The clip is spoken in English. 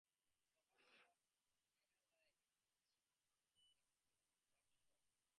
The Governor of Meghalaya is the Chief Rector.